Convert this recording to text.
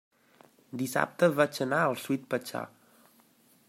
Dissabte vaig anar al Sweet Pachá.